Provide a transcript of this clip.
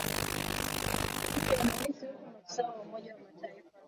siku ya Alhamis huku maafisa wa Umoja wa Mataifa